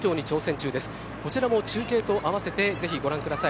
中継と合わせてぜひご覧ください。